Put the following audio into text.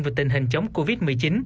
về tình hình chống covid một mươi chín